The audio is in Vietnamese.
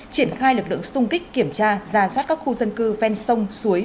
triển khai lực lượng sung kích kiểm tra ra soát các khu dân cư ven sông suối